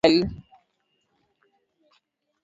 Kwa sasa naweza kutumia mwani kutengeneza vitu mbalimbali